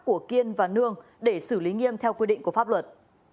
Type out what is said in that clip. của kiên và nương để xử lý nghiêm theo quy định của pháp luật